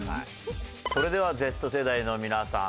それではＺ世代の皆さん